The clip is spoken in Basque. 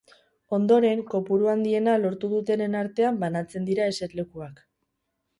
Ondoren, kopuru handiena lortu dutenen artean banatzen dira eserlekuak.